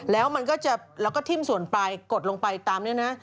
แล้วมันก็จะแล้วก็ทิ้มส่วนไปกดลงไปตามเนี่ยนะฮะ